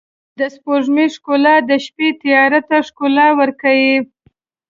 د سپوږمۍ ښکلا د شپې تیاره ته ښکلا ورکوي.